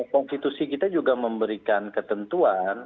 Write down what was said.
konstitusi kita juga memberikan ketentuan